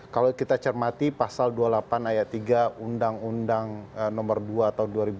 kalau kita cermati pasal dua puluh delapan ayat tiga undang undang nomor dua tahun dua ribu dua